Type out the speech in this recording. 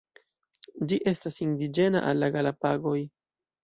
Ĝi estas indiĝena al la Galapagoj.